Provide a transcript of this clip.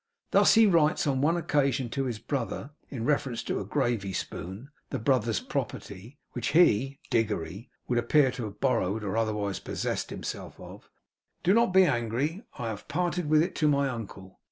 Thus, he writes on one occasion to his brother in reference to a gravy spoon, the brother's property, which he (Diggory) would appear to have borrowed or otherwise possessed himself of: 'Do not be angry, I have parted with it to my uncle.